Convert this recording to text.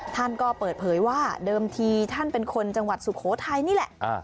ท่านก็เปิดเผยว่าเดิมทีท่านเป็นคนจังหวัดสุโขทัยนี่แหละ